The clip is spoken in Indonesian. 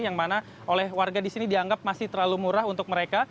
yang mana oleh warga di sini dianggap masih terlalu murah untuk mereka